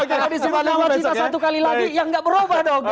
kalau disebutkan wacita satu kali lagi ya nggak berubah dong